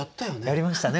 やりましたね。